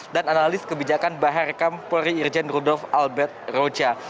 dan analis kebijakan bahar kam pori irjen rudolf albert roja